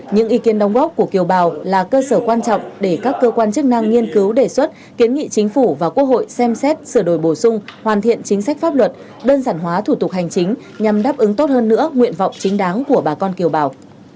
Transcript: những ý kiến đóng góp của kiều bào là cơ sở quan trọng để các cơ quan chức năng nghiên cứu đề xuất kiến nghị chính phủ và quốc hội xem xét sửa đổi bổ sung hoàn thiện chính sách pháp luật đơn giản hóa thủ tục hành chính nhằm đáp ứng tốt hơn nữa nguyện vọng chính đáng của bà con kiều bào